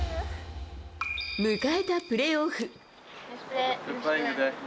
迎えたプレーオフ。